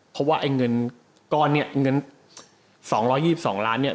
เพราะว่าเงิน๒๒๒ล้านยูโรเนี่ย